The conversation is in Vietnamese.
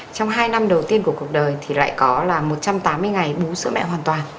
trong hai năm đầu tiên của cuộc đời thì lại có là một trăm tám mươi ngày bú sữa mẹ hoàn toàn